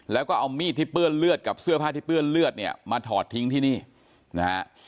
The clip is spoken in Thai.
แล้วก็เอามีดที่เปื้อนเลือดกับเสื้อผ้าที่เปื้อนเลือดเนี่ยมาถอดทิ้งที่นี่นะฮะ